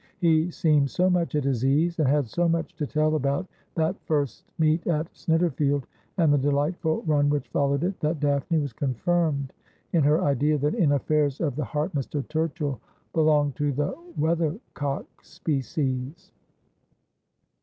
He seemed so much at his ease, and had so much to tell about that first meet at Snitterfield, and the delightful run which followed it, that Daphne was confirmed in her idea that in afEairs of the heart Mr. Turchill belonged to the weathercock species.